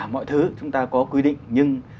mọi thứ chúng ta có quy định nhưng